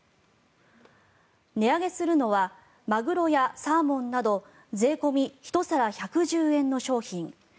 値上げするのはマグロやサーモンなど税込み１皿１１０円の商品。